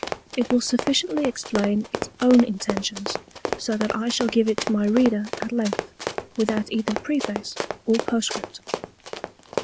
It will sufficiently explain its own Intentions, so that I shall give it my Reader at Length, without either Preface or Postscript.